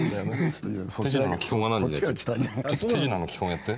ちょっと手品の基本やって。